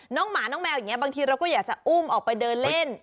หมาน้องแมวอย่างนี้บางทีเราก็อยากจะอุ้มออกไปเดินเล่น